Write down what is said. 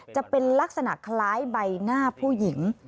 จะเป็นลักษณะคล้ายใบหน้าผู้หญิง